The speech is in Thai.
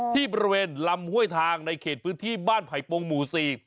ที่บริเวณลำห้วยทางในเขตพื้นที่บ้านไผ่ปงหมู่สี่